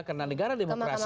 karena negara demokrasi